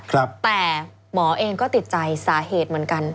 แต่หมอเองก็ติดใจสาเหตุเหมือนกัน